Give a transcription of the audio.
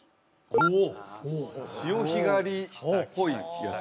おお潮干狩りっぽいやつ